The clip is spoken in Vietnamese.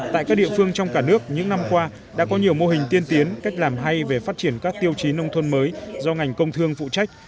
tại các địa phương trong cả nước những năm qua đã có nhiều mô hình tiên tiến cách làm hay về phát triển các tiêu chí nông thôn mới do ngành công thương phụ trách